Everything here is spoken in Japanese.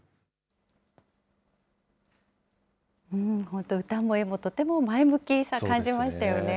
本当、歌も絵も前向きさ、感じましたよね。